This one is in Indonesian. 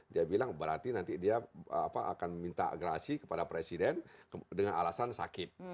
dia bilang berarti nanti dia akan minta agresi kepada presiden dengan alasan sakit